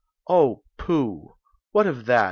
"Oh, pooh ! What of that ?